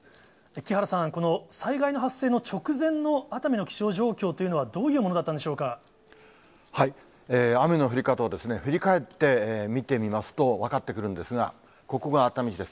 木原さん、この災害の発生の直前の熱海の気象状況というのはどういうものだ雨の降り方をですね、振り返って見てみますと分かってくるんですが、ここが熱海市です。